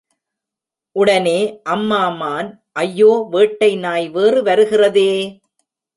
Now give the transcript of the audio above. உடனே அம்மா மான் ஐயோ வேட்டை நாய் வேறு வருகிறதே!